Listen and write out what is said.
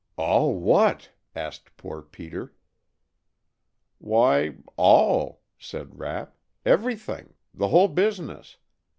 "All what?" asked poor Peter. "Why, all," said Rapp. "Everything. The whole business.